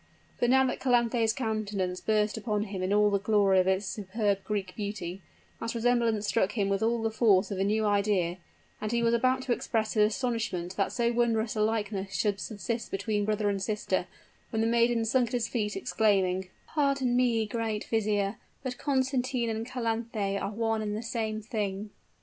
But now that Calanthe's countenance burst upon him in all the glory of its superb Greek beauty, that resemblance struck him with all the force of a new idea; and he was about to express his astonishment that so wondrous a likeness should subsist between brother and sister, when the maiden sunk at his feet, exclaiming, "Pardon me, great vizier; but Constantine and Calanthe are one and the same thing."